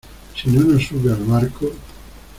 si no nos sube al barco...